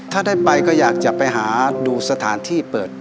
ถ้าได้ไปก็อยากจะไปหาดูสถานที่เปิด